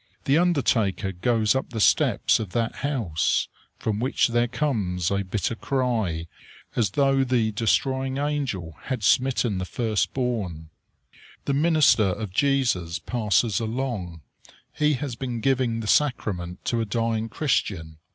The undertaker goes up the steps of that house, from which there comes a bitter cry, as though the destroying angel had smitten the first born. The minister of Jesus passes along; he has been giving the sacrament to a dying Christian.